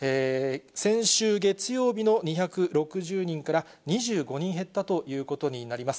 先週月曜日の２６０人から、２５人減ったということになります。